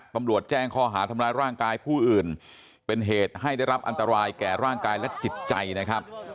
ตำรวจแจ้งข้อหาทำร้ายร่างกายผู้อื่นเป็นเหตุให้ได้รับอันตรายแก่ร่างกายและจิตใจนะครับ